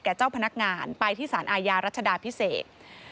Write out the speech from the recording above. เจ้าพนักงานไปที่สารอาญารัชดาพิเศษ